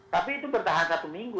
tapi itu bertahan satu minggu